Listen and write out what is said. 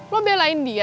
lo belain dia